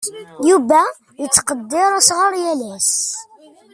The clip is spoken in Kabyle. Yuba yettqeddir asɣar yal ass.